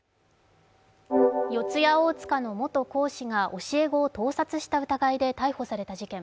四谷大塚の元講師が教え子を盗撮した疑いで逮捕された事件。